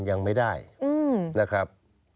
ยังไม่ได้นะครับ